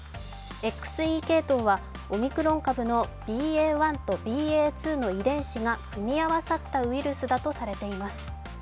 ＸＥ系統はオミクロン株のＢＡ．１とＢＡ．２の遺伝子が組み合わさったウイルスだとされています。